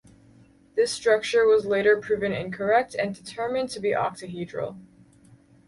This structure was later proven incorrect and determined to be octahedral.